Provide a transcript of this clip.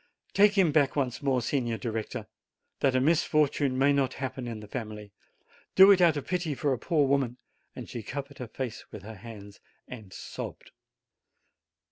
Take him back once more, Signor Director, that a misfortune may not happen in the family! Do it out of pity for a poor woman!" And she covered her face with her hands and sobbed.